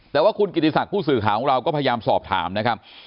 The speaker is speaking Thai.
แต่ว่าคุณกิติศักดิ์ผู้สื่อข่าวของเราก็พยายามสอบถามนะครับ